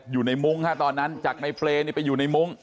อยู่ในมุงค่ะตอนนั้นจากในเฟรนี่ไปอยู่ในมุง